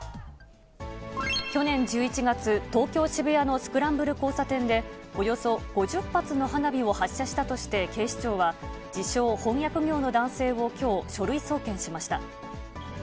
去年１１月、東京・渋谷のスクランブル交差点で、およそ５０発の花火を発射したとして、警視庁は、自称、翻訳業の男性をきょう、書類送検しました。